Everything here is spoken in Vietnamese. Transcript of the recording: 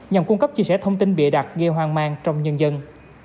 nhằm cung cấp chia sẻ thông tin bịa đặt gây hoang mang trong nhân dân